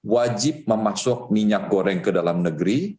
wajib memasuk minyak goreng ke dalam negeri